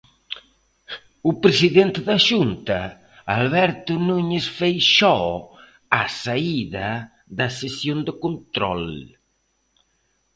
O presidente da Xunta, Alberto Núñez Feixóo, á saída da sesión de control.